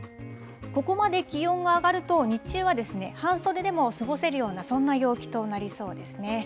ここまで気温が上がると、日中は半袖でも過ごせるような、そんな陽気となりそうですね。